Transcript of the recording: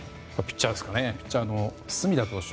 ピッチャーの隅田投手